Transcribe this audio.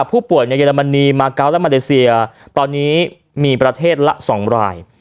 ผู้ป่วยในเยอรมนีมาเกาะและมาเลเซียตอนนี้มีประเทศละ๒ราย